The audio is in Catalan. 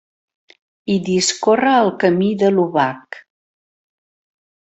Hi discorre el Camí de l'Obac.